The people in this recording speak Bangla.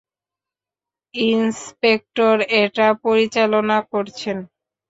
ইন্সপেক্টর এটা পরিচালনা করছেন।